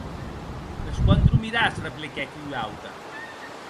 Mès quan dormiràs?, repliquèc ua auta.